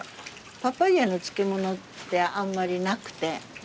パパイアの漬物ってあんまりなくて。